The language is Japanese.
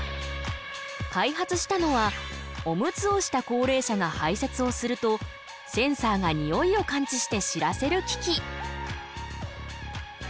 開発したのはオムツをした高齢者がはいせつをするとセンサーがにおいを感知して知らせる機器。